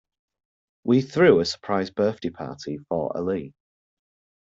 We threw a surprise birthday party for Ali.